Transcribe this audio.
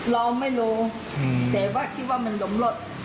เราไม่รู้แต่ว่าคิดว่ามันหลงลด